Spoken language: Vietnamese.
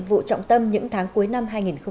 vụ trọng tâm những tháng cuối năm hai nghìn một mươi sáu